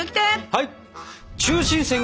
はい！